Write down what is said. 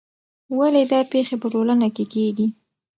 ولې دا پېښې په ټولنه کې کیږي؟